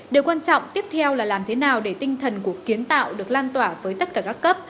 điều quan trọng tiếp theo là làm thế nào để tinh thần của kiến tạo được lan tỏa với tất cả các cấp